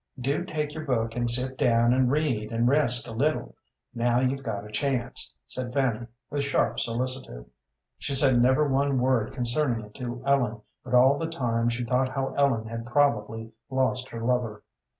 "Do take your book and sit down and read and rest a little, now you've got a chance," said Fanny, with sharp solicitude. She said never one word concerning it to Ellen, but all the time she thought how Ellen had probably lost her lover.